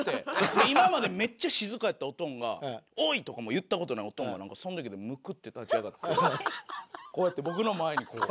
で今までめっちゃ静かやったオトンが「おい！」とかも言った事ないオトンがなんかその時にムクッて立ち上がってこうやって僕の前にこう。